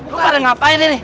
lu pada ngapain ini